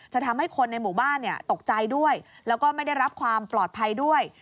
ทำให้คนในหมู่บ้านตกใจด้วยแล้วก็ไม่ได้รับความปลอดภัยด้วย